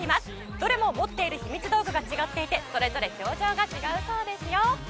どれも持っているひみつ道具が違っていてそれぞれ表情が違うようですよ。